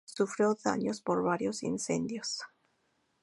Sufrió daños por varios incendios.